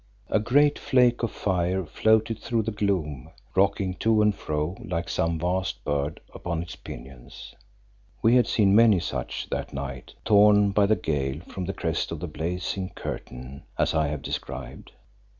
A great flake of fire floated through the gloom, rocking to and fro like some vast bird upon its pinions. We had seen many such that night, torn by the gale from the crest of the blazing curtain as I have described.